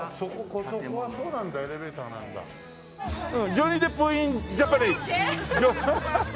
ジョニー・デップインジャパニーズ。